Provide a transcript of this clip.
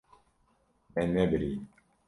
Me nebirî.